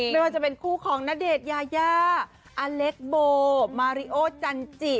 ไม่ว่าจะเป็นคู่ของณเดชน์ยายาอเล็กโบมาริโอจันจิ